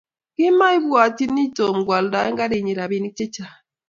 Kimaibwatyini Tom koaldae garinyi rapinik che chang